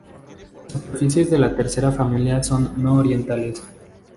Las superficies de la tercera familia son no-orientables.